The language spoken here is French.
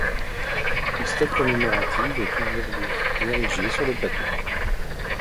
Une stèle commémorative est aujourd'hui érigée sur le plateau.